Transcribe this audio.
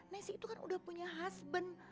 nessy itu kan udah punya husband